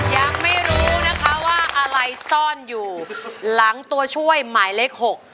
ยังไม่รู้นะคะว่าอะไรซ่อนอยู่หลังตัวช่วยหมายเลข๖